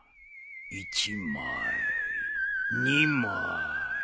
「１まい２まい」